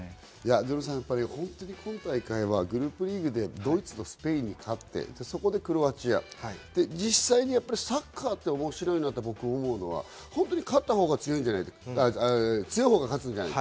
ぞのさん、今大会はグループリーグでドイツとスペインに勝ってそこでクロアチア、実際にサッカーって面白いなと思うのは、勝った方が強い、強い方が勝つ。